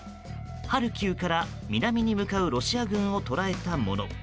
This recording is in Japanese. ハルキウから南に向かうロシア軍を捉えたもの。